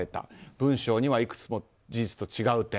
文章にはいくつも事実と違う点。